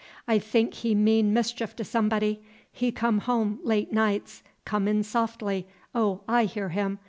I think he mean mischief to somebody. He come home late nights, come in softly, oh, I hear him!